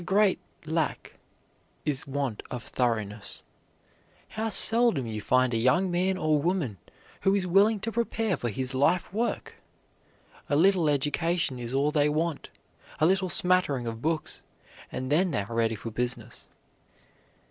Our great lack is want of thoroughness. How seldom you find a young man or woman who is willing to prepare for his life work! A little education is all they want, a little smattering of books, and then they are ready for business.